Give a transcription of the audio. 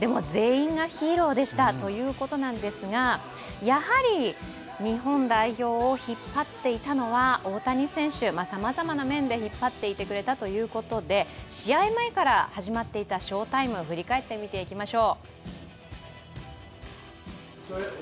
でも全員がヒーローでしたということなんですが、やはり日本代表を引っ張っていたのは大谷選手、さまざまな面で引っ張っていってくれたということで試合前から始まっていた翔タイムを振り返って見ていきましょう。